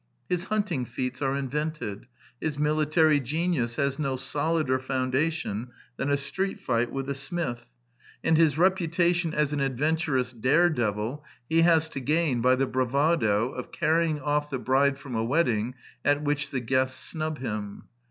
His hunting feats are invented; his mili tary genius has no solider foundation than a street fight with a smith; and his reputation as an adventurous daredevil he has to gain by the bravado of carrying off the bride from a wedding at which the guests snub him.